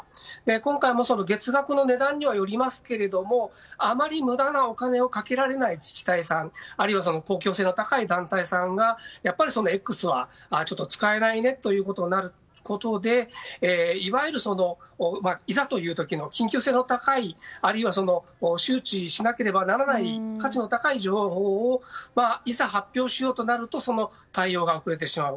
今回も月額の値段にはよりますけれどもあまり無駄なお金をかけられない自治体さんあるいは公共性の高い団体さんがやっぱりＸは使えないねということになることでいわゆる、いざという時の緊急性の高い、あるいは周知しなければならない価値の高い情報をいざ発表しようとなるとその対応が遅れてしまう。